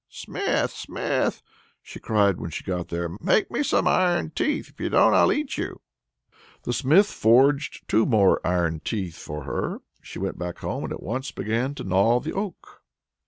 "Smith, smith!" she cried when she got there, "make me some iron teeth; if you don't I'll eat you!" The smith forged two more iron teeth for her. She went back again, and once more began to gnaw the oak.